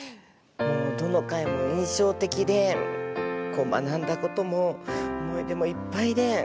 もうどの回も印象的で学んだことも思い出もいっぱいで。